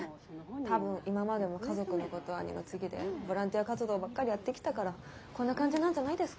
多分今までも家族のことは二の次でボランティア活動ばっかりやってきたからこんな感じなんじゃないですか？